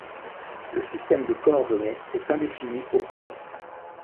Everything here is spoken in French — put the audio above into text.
Le système de coordonnées est indéfini aux pôles.